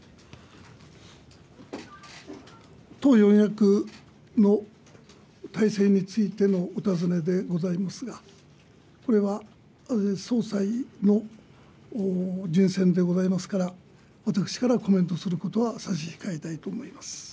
党四役の体制についてのお尋ねでございますが、これは総裁の人選でございますから、私からはコメントすることは差し控えたいと思います。